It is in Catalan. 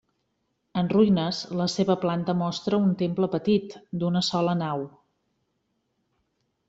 En ruïnes, la seva planta mostra un temple petit, d'una sola nau.